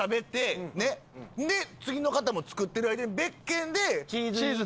で次の方も作ってる間に別件でチーズ。